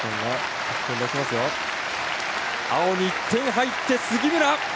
青に１点入って、杉村！